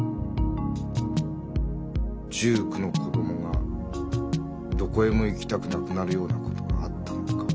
１９の子供がどこへも行きたくなくなるようなことがあったのか。